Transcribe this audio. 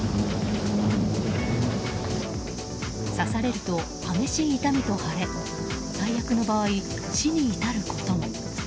刺されると激しい痛みと腫れ最悪の場合、死に至ることも。